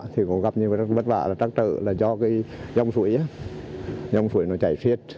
thì có gặp những bất vả trắc trở là do dòng suối chảy phết